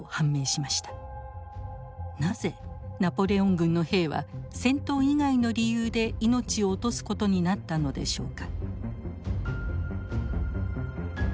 なぜナポレオン軍の兵は戦闘以外の理由で命を落とすことになったのでしょうか。